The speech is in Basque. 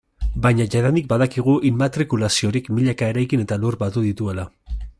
Baina jadanik badakigu immatrikulazio horiek milaka eraikin eta lur batu dituela.